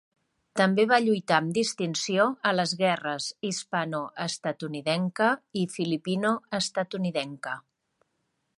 També va lluitar amb distinció a les guerres hispano-estatunidenca i filipino-estatunidenca.